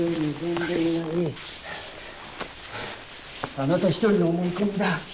「あなた一人の思い込みだ」。